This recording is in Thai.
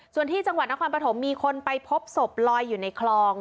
ส่วนที่จังหวัดนครปฐมมีคนไปพบศพลอยอยู่ในคลอง